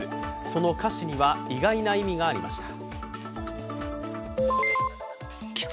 その歌詞には意外な意味がありました。